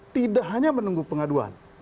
tidak hanya menunggu pengaduan